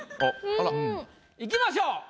あら。いきましょう。